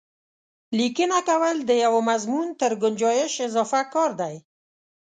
لیکنه کول د یوه مضمون تر ګنجایش اضافه کار دی.